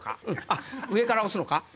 あっ上から押すのか？